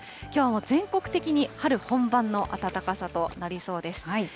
きょうは全国的に春本番の暖かさとなりそうです。